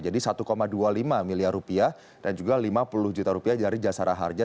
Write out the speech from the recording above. jadi satu dua puluh lima miliar rupiah dan juga lima puluh juta rupiah dari jasara harja